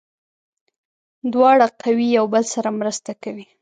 دواړه قوې یو بل سره مرسته کوي.